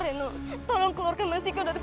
reno tolong keluarkan mas iko dari